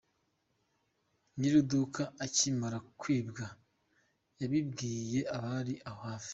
Nyir’iduka akimara kwibwa yabibwiye abari aho hafi.